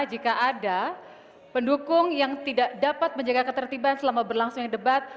jika ada pendukung yang tidak dapat menjaga ketertiban selama berlangsungnya debat